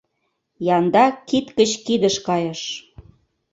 Янда кид гыч кидыш кайыш.